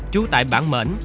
chú tại bảng mển